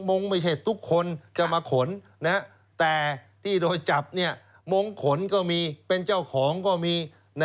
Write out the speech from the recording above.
งงไม่ใช่ทุกคนจะมาขนแต่ที่โดนจับมงขนก็มีเป็นเจ้าของก็มี